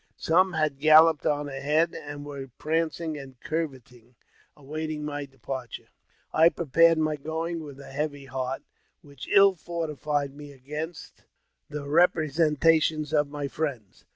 Some had galloped on ahead, and were prancing and curveting, awaiting my departure. I prepared aay going with a heavy heart, which ill fortified me against the representations of my friends.